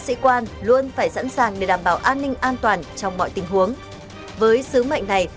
sĩ quan luôn phải sẵn sàng để đảm bảo an ninh an toàn trong mọi tình huống với sứ mệnh này